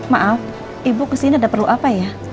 maaf ibu kesini ada perlu apa ya